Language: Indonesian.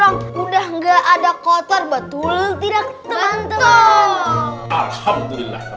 ih udah kincrong udah enggak ada kotor betul tidak teman teman alhamdulillah